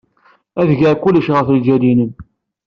Ad geɣ kullec ɣef ljal-nnem.